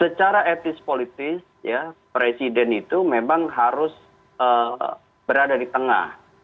secara etis politis presiden itu memang harus berada di tengah